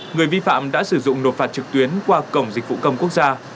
người vi phạm đã sử dụng nộp phạt trực tuyến qua cổng dịch vụ công quốc gia